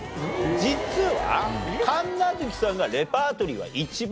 実は神奈月さんがレパートリーは一番多い。